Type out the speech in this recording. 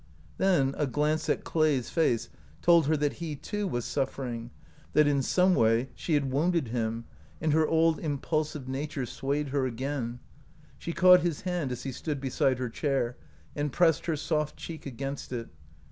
Then a glance at Clay's face told her that he too was suffering, that in some way she OUT OF BOHEMIA had wounded him, and her old impulsive nature swayed her again. She caught his hand as he stood besfde her chair, and pressed her soft cheek against it.